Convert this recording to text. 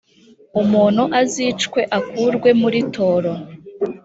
umuntu azicwe akurwe muri toro